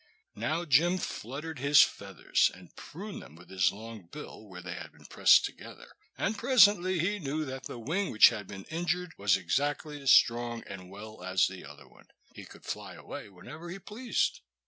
Now Jim fluttered his feathers, and pruned them with his long bill where they had been pressed together, and presently he knew that the wing which had been injured was exactly as strong and well as the other one. He could fly away whenever he pleased.